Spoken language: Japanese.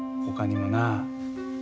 ほかにもな。